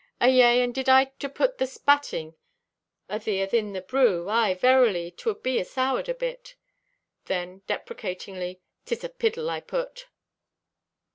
Ayea, and did I to put the spatting o' thee athin the brew, aye verily 'twould be asoured a bit!" Then deprecatingly: "'Tis a piddle I put!